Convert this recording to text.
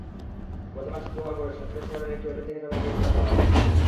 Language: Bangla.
গতকাল শুক্রবার ভোরে সাতক্ষীরা শহরের একটি হোটেল থেকে তাঁদের গ্রেপ্তার করা হয়।